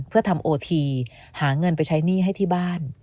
เพื่อทำโอทีหาเงินไปใช้หนี้ให้ที่บ้าน